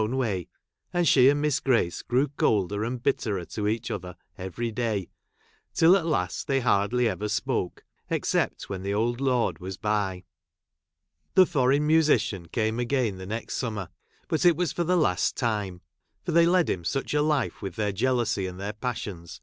own way, and she and Miss Grace grew jj colder and bitterer to each other every day ; jl till at last they hai'dly ever spoke, except ji when the old lord was by. The foreign I I musician came again the next summer, but it jj was for the last time ; for they led him such 'I .a life with their jealousy and their passions, j!